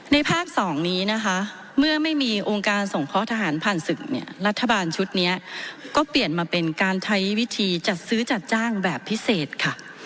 ภาค๒นี้นะคะเมื่อไม่มีองค์การสงเคราะห์ทหารผ่านศึกเนี่ยรัฐบาลชุดนี้ก็เปลี่ยนมาเป็นการใช้วิธีจัดซื้อจัดจ้างแบบพิเศษค่ะ